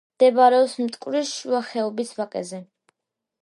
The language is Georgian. მდებარეობს მტკვრის შუა ხეობის ვაკეზე.